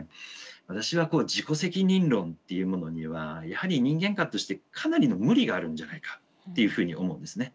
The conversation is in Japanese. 私は自己責任論っていうものにはやはり人間観としてかなりの無理があるんじゃないかっていうふうに思うんですね。